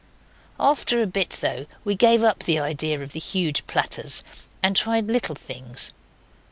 After a bit, though, we gave up the idea of the huge platter and tried little things.